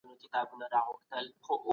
ځوانان باید له مشرانو تجربه واخلي.